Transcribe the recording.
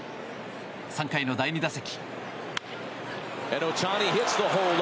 ３回の第２打席。